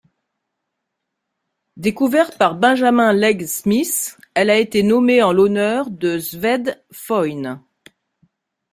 Découverte par Benjamin Leigh Smith, elle a été nommée en l'honneur de Svend Foyn.